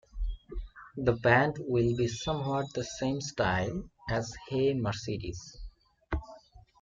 The band will be somewhat the same style as Hey Mercedes.